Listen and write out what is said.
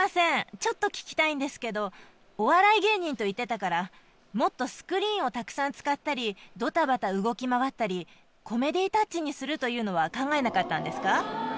ちょっと聞きたいんですけどお笑い芸人といってたからもっとスクリーンをたくさん使ったりドタバタ動き回ったりコメディータッチにするというのは考えなかったんですか？